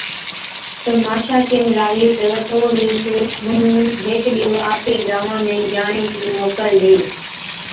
تہ ماشا ڪيهُون لاگلِي تہ او رِينچ، ’مُنُون هيڪ ڏِيئو آپڪي گانوان ۾ جاڻي چِي موڪل ڏي‘